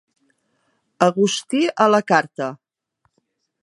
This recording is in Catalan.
Agustí a la carta.